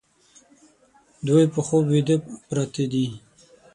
دوی په خوب ویده پراته دي